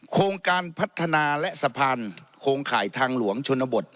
โครงการพัฒนาและสะพานโครงข่ายทางหลวงชนบท